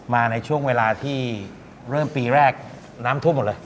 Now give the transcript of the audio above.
มาในช่วงเวลาที่เริ่มปีแรกน้ำท่วมหมดเลย